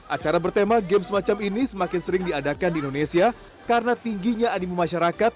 acara bertema game semacam ini semakin sering diadakan di indonesia karena tingginya animu masyarakat